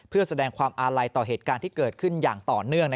เพื่อแสดงความอาลัยต่อเหตุการณ์ที่เกิดขึ้นอย่างต่อเนื่อง